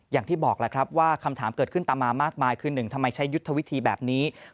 อย่างที่บอกแล้วครับว่าคำถามเกิดขึ้นตามมามากมายคือ๑ทำไมใช้ยุทธวิธีแบบนี้